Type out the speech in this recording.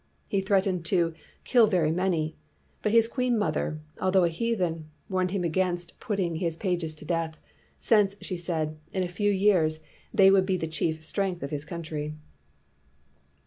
He threatened to "kill very many." But his queenmother, although a heathen, warned him against putting his pages to death; since, she said, in a few years they would be the chief strength of his country.